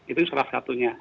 itu salah satunya